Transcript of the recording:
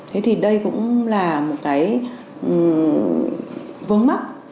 thế thì đây cũng là một cái vướng mắc